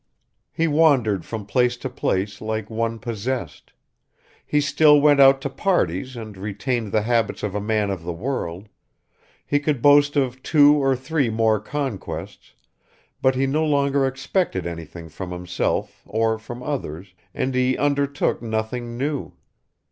He wandered from place to place like one possessed; he still went out to parties and retained the habits of a man of the world; he could boast of two or three more conquests; but he no longer expected anything from himself or from others, and he undertook nothing new.